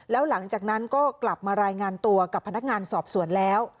แล้วหลังจากนั้นก็กลับมารายงานตัวกับพนักงานสอบสวนแล้ว